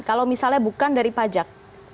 kalau misalnya bukan dari pajak